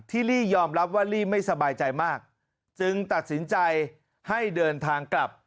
ลี่ยอมรับว่าลี่ไม่สบายใจมากจึงตัดสินใจให้เดินทางกลับ